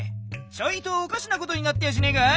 ちょいとおかしなことになってやしねえかい？